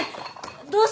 どうして？